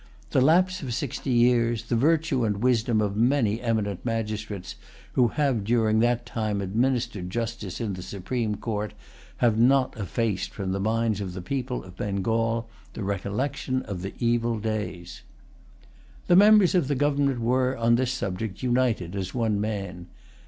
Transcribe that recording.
The lapse of sixty years, the virtue and wisdom of many eminent magistrates who have during that[Pg 172] time administered justice in the Supreme Court, have not effaced from the minds of the people of Bengal the recollection of those evil days. The members of the government were, on this subject, united as one man.